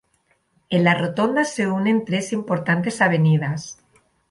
En la rotonda se unen tres importantes avenidas.